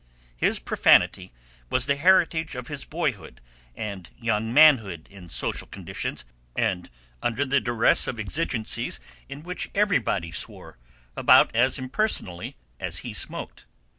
His profanity was the heritage of his boyhood and young manhood in social conditions and under the duress of exigencies in which everybody swore about as impersonally as he smoked.